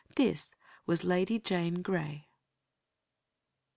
This was Lady Jane Grey.